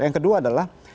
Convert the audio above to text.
yang kedua adalah